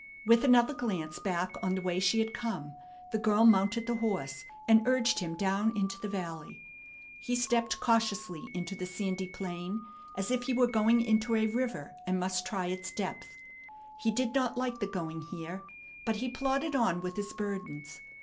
With another glance back on the way she had come, the girl mounted the horse and urged him down into the valley. He stepped cautiously into the sandy plain, as if he were going into a river and must try its depth. He did not like the going here, but he plodded on with his burdens.